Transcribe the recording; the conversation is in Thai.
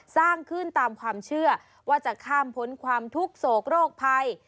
สร้างขึ้นตามความเชื่อว่าจะข้ามพ้นความทุกข์โศกโรคภัย